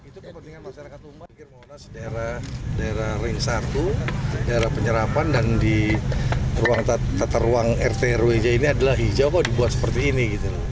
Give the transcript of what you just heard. di daerah ring satu daerah penyerapan dan di ruang ruang rt rwj ini adalah hijau kalau dibuat seperti ini